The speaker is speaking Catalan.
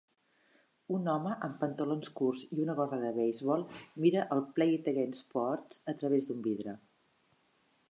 Un home amb pantalons curts i una gorra de beisbol mira el Play It Again Sports a través d'un vidre.